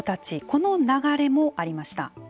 この流れもありました。